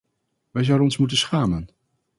Wij zouden ons moeten schamen.